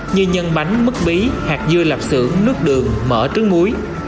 như nhân bánh mứt bí hạt dưa lạp sữa nước đường mỡ trứng muối